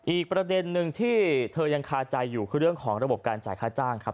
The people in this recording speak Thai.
อีกประเด็นนึงที่เธอยังคาใจอยู่คือเรื่องของระบบการจ่ายค่าจ้างครับ